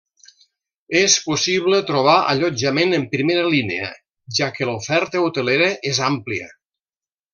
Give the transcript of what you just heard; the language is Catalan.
És possible trobar allotjament en primera línia, ja que l’oferta hotelera és àmplia.